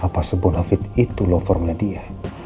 apa sebonafit itu love formnya dia